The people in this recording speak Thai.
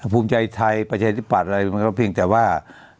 ภูมิใจไทยประชาธิปัตย์อะไรมันก็เพียงแต่ว่า